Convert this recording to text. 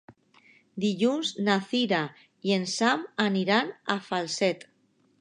Dilluns na Cira i en Sam aniran a Falset.